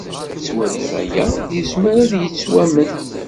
Ttwaliɣ aya yezmer ad yettwamen.